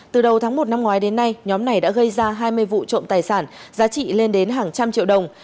từ đầu tháng một năm ngoái đến nay nhóm này đã gây ra hai mươi vụ trộm tài sản giá trị lên đến hàng trăm triệu đồng